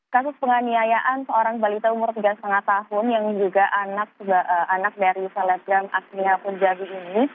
kasus penganiayaan seorang balita umur tiga lima tahun yang juga anak dari selebgram asmia punjabi ini